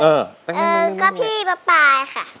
เออก็พี่ป๊าปายค่ะ